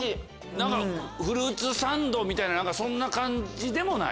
何かフルーツサンドみたいなそんな感じでもない？